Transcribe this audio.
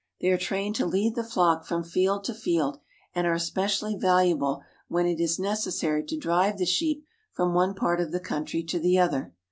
They are trained to lead the flock from field to field, and are especially valuable when it is necessary to drive the sheep from one part of the country to the other.